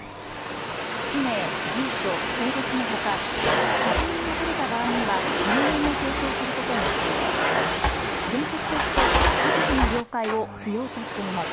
氏名、住所、性別のほか確認が取れた場合には年齢も公表することにしていて原則として家族の了解を不要としています。